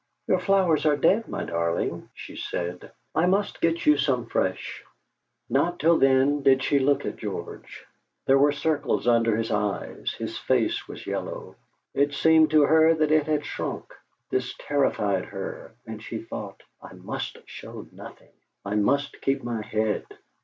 "Your flowers are dead, my darling," she said. "I must get you some fresh!" Not till then did she look at George. There were circles under his eyes; his face was yellow; it seemed to her that it had shrunk. This terrified her, and she thought: '. must show nothing; I must keep my head!'